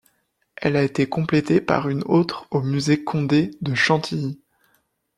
Elle a été complétée par une autre au musée Condé de Chantilly.